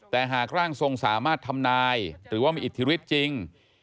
แต่หากร่างทรงสามารถทำนายหรือว่ามีอิทธิฤทธิ์จริง